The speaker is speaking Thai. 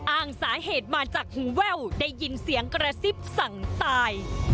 อ้างสาเหตุมาจากหูแว่วได้ยินเสียงกระซิบสั่งตาย